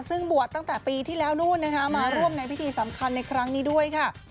ซึ่งบวชตั้งแต่ปีที่แล้วนู่นนะคะมาร่วมในพิธีสำคัญในครั้งนี้ด้วยค่ะ